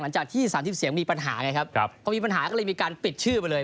หลังจากที่๓๐เสียงมีปัญหาไงครับพอมีปัญหาก็เลยมีการปิดชื่อไปเลย